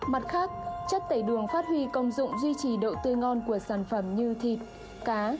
mặt khác chất tẩy đường phát huy công dụng duy trì độ tươi ngon của sản phẩm như thịt cá